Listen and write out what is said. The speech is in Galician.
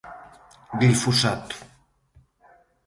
Glifosato.